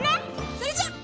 それじゃあ。